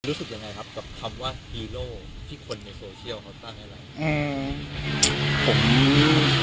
รู้สึกยังไงครับกับคำว่าฮีโร่ที่คนในโซเชียลเขาตั้งให้เราอืม